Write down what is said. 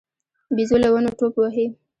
بيزو له ونو ټوپ وهي.